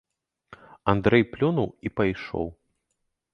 Андрэй плюнуў і пайшоў.